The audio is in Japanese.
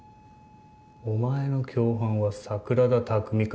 お前の共犯は桜田卓海か？